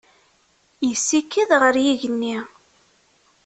Yessikid ɣer yigenni.